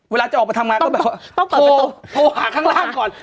เวลาจะออกไปทำงานก็แบบว่าโทรหาข้างล่างก่อน